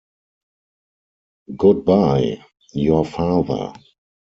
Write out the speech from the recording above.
Goodbye, Your Father.